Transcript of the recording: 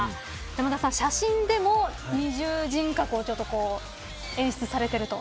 山田さん、写真でも二重人格を演出されていると。